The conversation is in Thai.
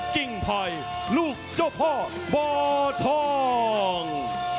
กิ่งไผ่ลูกเจ้าพ่อบ่อทอง